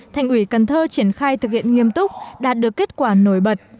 thành ủy cần thơ triển khai thực hiện nghiêm túc đạt được kết quả nổi bật